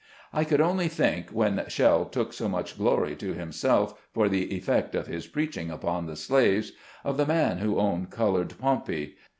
I could only think, when Shell took so much glory to himself for the effect of his preaching upon the slaves, of the man who owned colored Pompey.